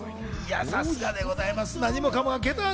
さすがでございます。